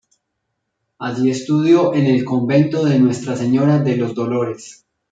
Allí estudió en el Convento de Nuestra Señora de los Dolores.